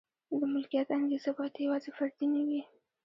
د ملکیت انګېزه باید یوازې فردي نه وي.